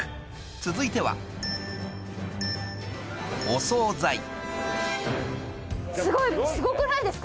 ［続いては］すごいすごくないですか？